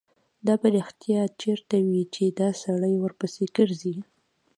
دا به رښتیا چېرته وي چې دا سړی ورپسې ګرځي.